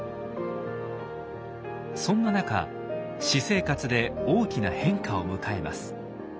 そんな中私生活で大きな変化を迎えます。